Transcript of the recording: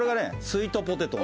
スイートポテト。